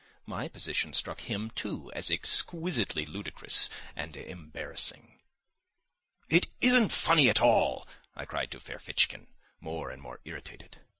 My position struck him, too, as exquisitely ludicrous and embarrassing. "It isn't funny at all!" I cried to Ferfitchkin, more and more irritated.